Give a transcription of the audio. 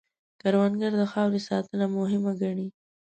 کروندګر د خاورې ساتنه مهم ګڼي